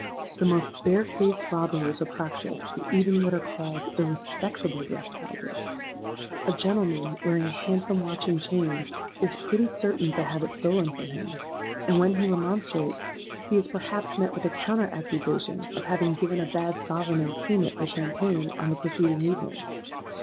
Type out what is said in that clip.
"The most bare faced robberies are practised in even what are called 'the respectable dress houses.' A gentleman, wearing a handsome watch and chain, is pretty certain to have it stolen from him; and when he remonstrates, he is perhaps met with a counter accusation of having given a bad sovereign in payment for champagne, on the preceding evening.